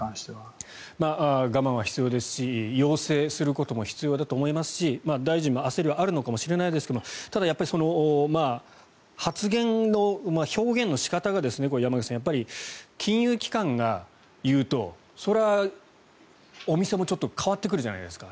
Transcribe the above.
我慢は必要ですし要請することも必要だと思いますし大臣も焦りはあるのかもしれないですがただ、発言の表現の仕方が山口さん、金融機関が言うとそれはお店もちょっと変わってくるじゃないですか。